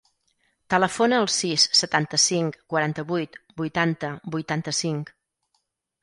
Telefona al sis, setanta-cinc, quaranta-vuit, vuitanta, vuitanta-cinc.